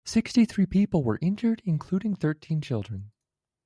Sixty-three people were injured, including thirteen children.